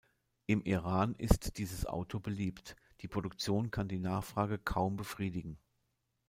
Im Iran ist dieses Auto beliebt; die Produktion kann die Nachfrage kaum befriedigen.